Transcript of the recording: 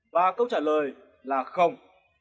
và câu trả lời là không